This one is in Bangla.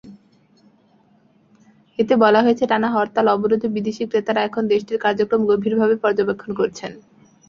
এতে বলা হয়েছে, টানা হরতাল-অবরোধে বিদেশি ক্রেতারা এখন দেশটির কার্যক্রম গভীরভাবে পর্যবেক্ষণ করছেন।